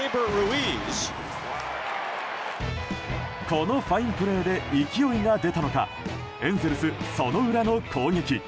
このファインプレーで勢いが出たのかエンゼルス、その裏の攻撃。